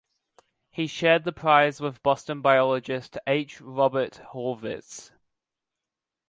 He shared the prize with Boston biologist H. Robert Horvitz.